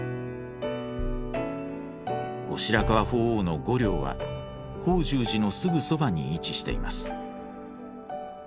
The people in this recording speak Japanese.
後白河法皇の御陵は法住寺のすぐそばに位置しています。